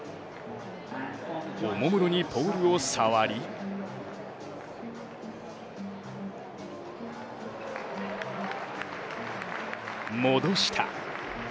おもむろにポールを触り、戻した。